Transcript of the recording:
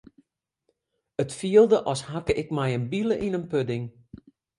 It fielde as hakke ik mei in bile yn in pudding.